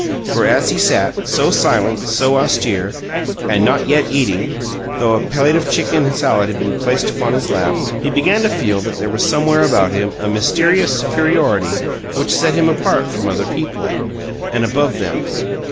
For as he sat, so silent, so austere, and not yet eating, though a plate of chicken salad had been placed upon his lap, he began to feel that there was somewhere about him a mysterious superiority which set him apart from other people and above them.